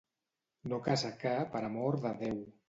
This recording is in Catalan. No caça ca per amor de Déu.